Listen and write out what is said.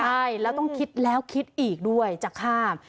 ใช่แล้วต้องคิดแล้วคิดอีกด้วยจะข้าม